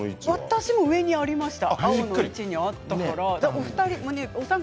私も上にありました。